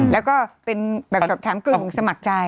แล้วก็เป็นแบบสอบถามเรื่องของสมัครใจ